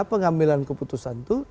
pengambilan keputusan itu